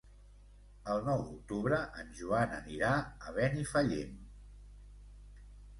El nou d'octubre en Joan anirà a Benifallim.